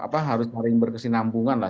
apa harus saling berkesinambungan lah